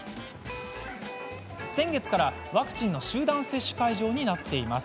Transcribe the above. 先月から、ワクチンの集団接種会場になっています。